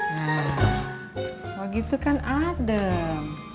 nah kalau gitu kan adem